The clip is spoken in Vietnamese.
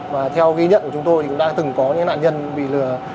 và theo ghi nhận của chúng tôi thì cũng đã từng có những nạn nhân bị lừa